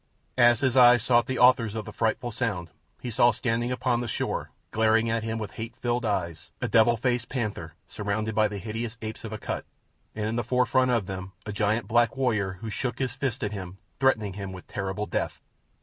As his eyes sought the authors of the frightful sound he saw standing upon the shore, glaring at him with hate filled eyes, a devil faced panther surrounded by the hideous apes of Akut, and in the forefront of them a giant black warrior who shook his fist at him, threatening him with terrible death.